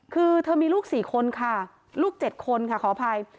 คือเธอมีลูก๔คนค่ะลูก๗คนค่ะขออภัย